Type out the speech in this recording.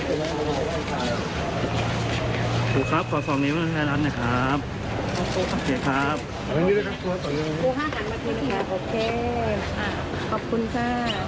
ขอบคุณค่ะขอบคุณค่ะ